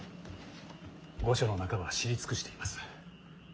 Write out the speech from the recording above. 御所の中は知り尽くしています。